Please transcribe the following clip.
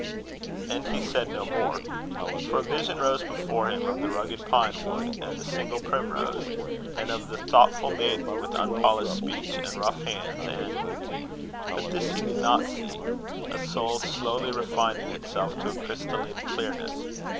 And he said no more. For a vision rose before him of the rugged pine wood and the single primrose; and of the thoughtful maiden, with unpolished speech and rough hands, and but this he did not see a soul slowly refining itself to a crystalline clearness.